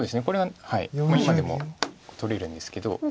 これは今でも取れるんですけど。